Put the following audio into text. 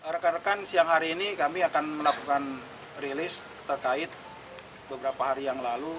rekan rekan siang hari ini kami akan melakukan rilis terkait beberapa hari yang lalu